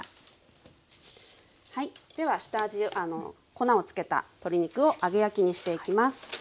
はいでは粉をつけた鶏肉を揚げ焼きにしていきます。